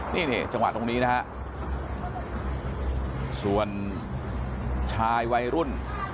นี่จังหวะตรงนี้นะฮะส่วนชายวัยรุ่น